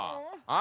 あ！